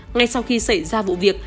ngay sau khi xảy ra vụ việc